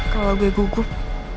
kalau gue gugup